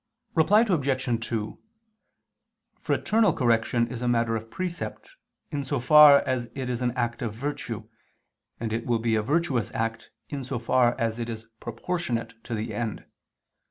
Reply Obj. 2: Fraternal correction is a matter of precept, in so far as it is an act of virtue, and it will be a virtuous act in so far as it is proportionate to the end.